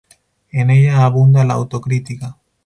En ella abunda la autocrítica.